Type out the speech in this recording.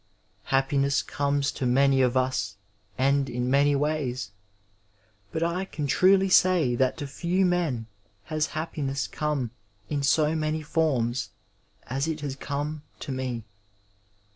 Happiness comes to many of us and in many wajnB, but I can truly say that to few men has happiness come in so many forms as it has come to me.